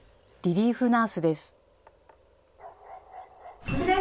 リリーフナースです。